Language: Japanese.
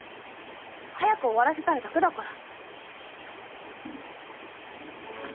早く終わらせたいだけだから。